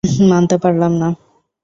মানতে পারলাম না।